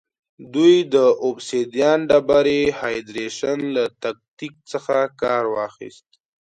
دوی د اوبسیدیان ډبرې هایدرېشن له تکتیک څخه کار واخیست